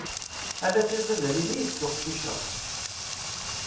Ala tiziḍanin i itett weqcic-a.